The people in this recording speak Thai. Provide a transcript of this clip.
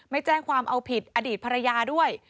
ไม่แจ้งความเอาผิดอดีตภรรยาด้วย